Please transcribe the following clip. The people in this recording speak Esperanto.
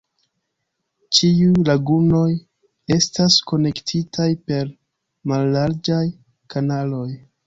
Ĉiuj lagunoj estas konektitaj per mallarĝaj kanaloj.